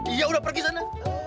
iya udah pergi sana